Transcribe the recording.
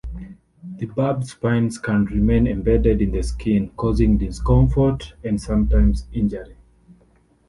The barbed spines can remain embedded in the skin, causing discomfort and sometimes injury.